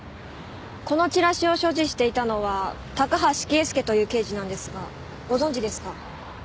このチラシを所持していたのは高橋啓介という刑事なんですがご存じですか？